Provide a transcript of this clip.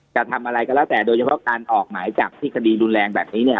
จะทำอะไรก็แล้วแต่โดยเฉพาะการออกหมายจับที่คดีรุนแรงแบบนี้เนี่ย